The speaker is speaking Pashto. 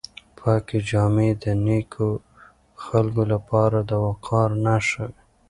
پاکې جامې د نېکو خلکو لپاره د وقار نښه وي.